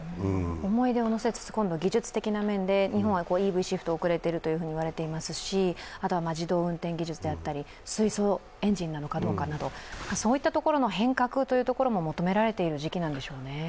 思い出を乗せつつ今度は技術的な面で日本はＥＶシフト、遅れていると言われていますし、あとは自動運転技術であったり水素エンジンなのかどうかなどそういったところの変革も求められている時期なんでしょうね。